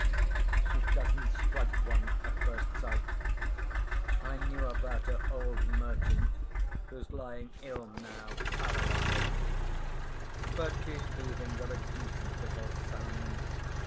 She doesn't strike one at first sight. I knew about her old merchant, who's lying ill now, paralyzed; but he's leaving her a decent little sum.